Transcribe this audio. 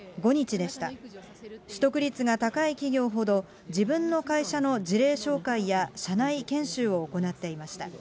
取得率が高い企業ほど自分の会社の事例紹介や社内研修を行っていました。